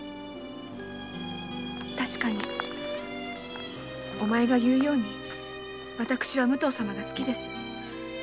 確かにお前が言うように私は武藤様が好きです。